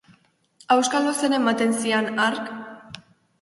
Auskalo zer ematen zian hark.